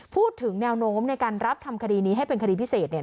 พูดถึงแนวโน้มในการรับทำคดีนี้ให้เป็นคดีพิเศษเนี่ย